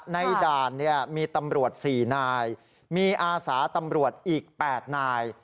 ด่านมีตำรวจ๔นายมีอาสาตำรวจอีก๘นาย